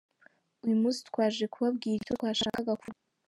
Uyu munsi twaje kubabwira icyo twashakaga kuvuga.